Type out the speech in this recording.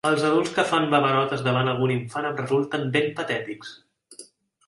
Els adults que fan babarotes davant algun infant em resulten ben patètics!